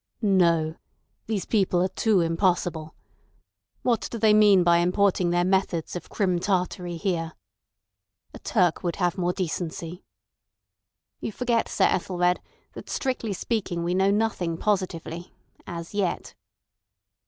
"No! These people are too impossible. What do they mean by importing their methods of Crim Tartary here? A Turk would have more decency." "You forget, Sir Ethelred, that strictly speaking we know nothing positively—as yet."